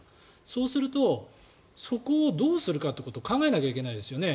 そうするとそこをどうするかということを考えなきゃいけないですよね。